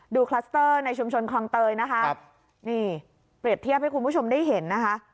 คลัสเตอร์ในชุมชนคลองเตยนะคะนี่เปรียบเทียบให้คุณผู้ชมได้เห็นนะคะ